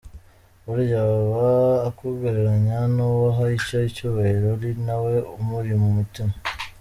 Burya aba akugereranya n’uwo aha icyo cyubahiro ari nawe umuri mu mutima.